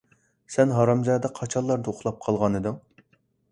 سەن ھارامزادە قاچانلاردا ئۇخلاپ قالغانىدىڭ؟